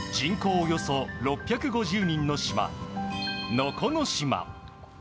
およそ６５０人の島、能古島。